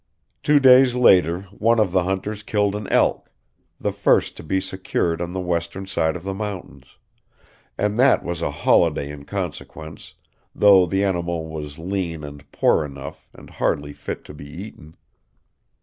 Two days later one of the hunters killed an elk the first to be secured on the western side of the mountains; and that was a holiday in consequence, though the animal was lean and poor enough, and hardly fit to be eaten.